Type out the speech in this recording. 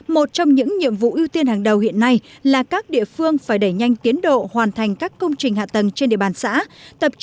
một trong những nhiệm vụ ưu tiên hàng đầu hiện nay là các địa phương phải đẩy nhanh tiến độ hoàn thành các công trình hạ tầng trên địa bàn xã